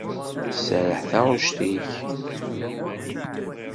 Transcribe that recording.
Tserreḥ taɣect-ik.